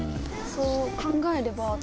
そう考えれば私。